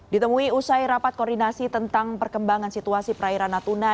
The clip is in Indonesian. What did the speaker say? ditemui usai rapat koordinasi tentang perkembangan situasi perairan natuna